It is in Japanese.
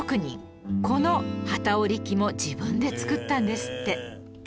この機織り機も自分で作ったんですって